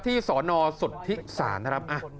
ที่สนสุทธิษฐานนะครับ